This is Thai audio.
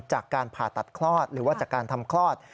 จากการผ่าตัดคลอดหรือว่าจากการทำคลอด